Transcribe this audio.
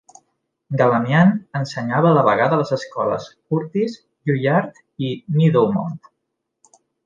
Galamian ensenyava a la vegada a les escoles Curtis, Juilliard i Meadowmount.